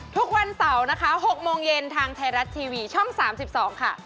ทุกวันเสาร์นะคะ๖โมงเย็นทางไทยรัฐทีวีช่อง๓๒ค่ะ